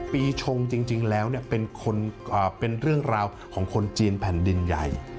ปีชงจริงแล้วเป็นเรื่องราวของคนจีนแผ่นดินใหญ่